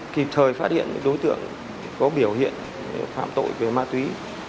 kịp thời phát hiện đối tượng có biểu hiện phạm tội về ma túy